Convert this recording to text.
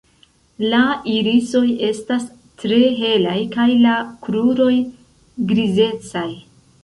La irisoj estas tre helaj kaj la kruroj grizecaj.